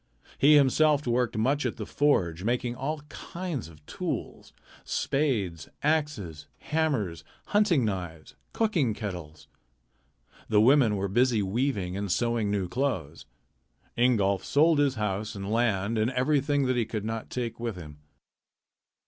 He himself worked much at the forge, making all kinds of tools spades, axes, hammers, hunting knives, cooking kettles. The women were busy weaving and sewing new clothes. Ingolf sold his house and land and everything that he could not take with him.